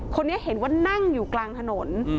คนนี้เห็นว่านั่งอยู่กลางถนน